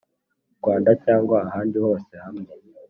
Rwanda cyangwa ahandi hose hamwe